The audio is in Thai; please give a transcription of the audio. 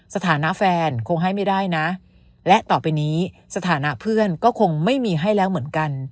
สถานะแฟนคงให้ไม่ได้นะและต่อไปนี้สถานะเพื่อนก็คงไม่มีให้แล้วเหมือนกัน